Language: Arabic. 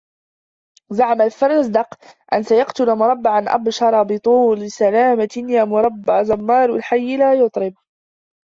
زعم الفرزدق أن سيقتل مربعاً أبشر بطول سلامة يا مربع زمَّارُ الحي لا يُطْرِبُ